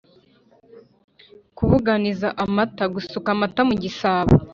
kubuganiza amata: gusuka amata mu gisabo